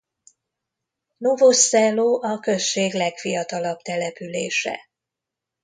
Novo Selo a község legfiatalabb települése.